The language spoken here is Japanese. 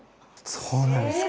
そうなんですか。